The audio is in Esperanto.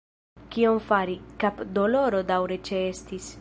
Kion fari – kapdoloro daŭre ĉeestis.